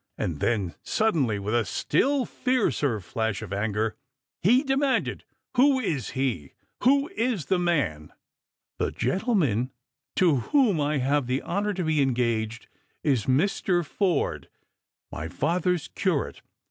And then sud denly, with a still hercer flash of anger, he demanded, " Who is he ? Who is the man ?"" The gentleman to whom I have the honour to be engaged ia Mr. Forde, my father's curate.